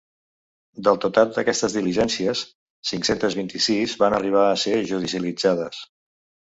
Del total d’aquestes diligències, cinc-cents vint-i-sis van arribar a ser judicialitzades.